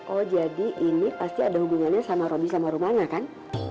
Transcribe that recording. oh jadi ini pasti ada hubungannya sama roby sama rumahnya kan